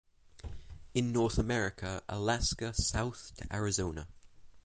In North America Alaska south to Arizona.